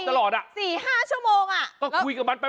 กินข้าวยังตอบแบบไหน